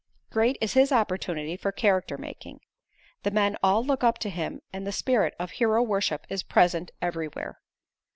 Great is his opportunity for character making. The men all look up to him and the spirit of hero worship is present everywhere.